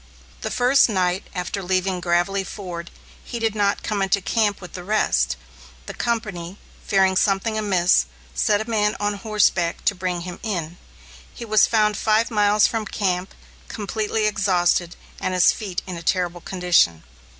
The first night after leaving Gravelly Ford, he did not come into camp with the rest. The company, fearing something amiss, sent a man on horseback to bring him in. He was found five miles from camp, completely exhausted and his feet in a terrible condition.